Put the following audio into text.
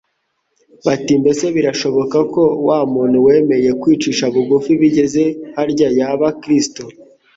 bati: mbese birashoboka ko wa muntu wemeye kwicisha bugufi bigeze harya yaba Kristo.